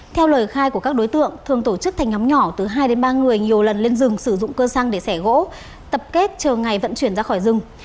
theo lời khai của các đối tượng thường tổ chức thành nhóm nhỏ từ hai đến ba người nhiều lần lên rừng sử dụng cơ xăng để xẻ gỗ tập kết chờ ngày vận chuyển ra khỏi rừng